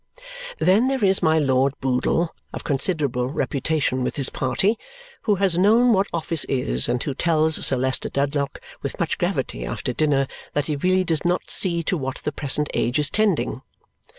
Then there is my Lord Boodle, of considerable reputation with his party, who has known what office is and who tells Sir Leicester Dedlock with much gravity, after dinner, that he really does not see to what the present age is tending.